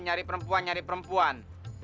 nyari perempuan nyari perempuan